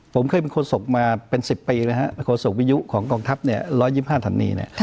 ผมเคยเป็นโครสกมาเป็น๑๐ปีโครสกวิยุของกองทัพ๑๒๕ธันนี